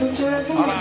あら！